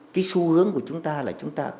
cái xu hướng của chúng ta là chúng ta